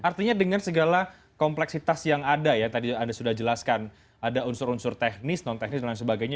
artinya dengan segala kompleksitas yang ada ya tadi anda sudah jelaskan ada unsur unsur teknis non teknis dan lain sebagainya